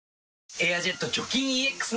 「エアジェット除菌ＥＸ」